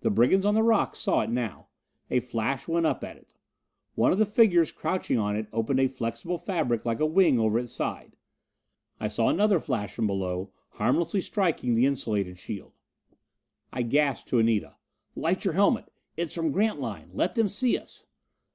The brigands on the rocks saw it now. A flash went up at it. One of the figures crouching on it opened a flexible fabric like a wing over its side. I saw another flash from below, harmlessly striking the insulated shield. I gasped to Anita, "Light your helmet! It's from Grantline! Let them see us!"